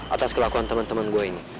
atas kelakuan teman teman gue ini